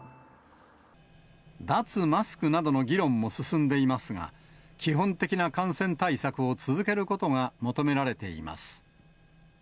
脱マスクなどの議論も進んでいますが、基本的な感染対策を続けることが求められています。